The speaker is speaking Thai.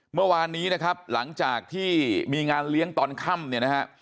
เมื่อวานนี้นะครับหลังจากที่มีงานเลี้ยงตอนค่ำเนี่ยนะฮะ